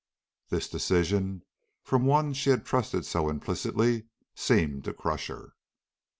This decision, from one she had trusted so implicitly, seemed to crush her.